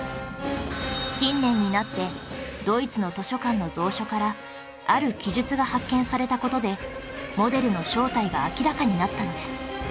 近年になってドイツの図書館の蔵書からある記述が発見された事でモデルの正体が明らかになったのです